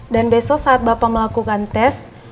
dan besok saat bapak melakukan tes